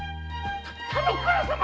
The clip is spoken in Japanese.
田之倉様